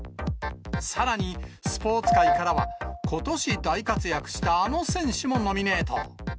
さらにスポーツ界からは、ことし大活躍したあの選手もノミネート。